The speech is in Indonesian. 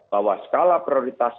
bahwa skala prioritas